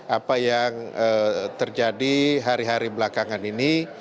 apa yang terjadi hari hari belakangan ini